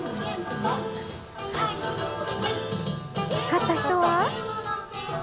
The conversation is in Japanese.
勝った人は？